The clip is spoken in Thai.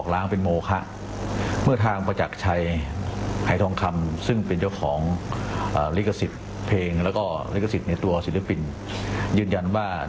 และก็ลิขสิทธิ์ในตัวศิลปินยืนยันว่า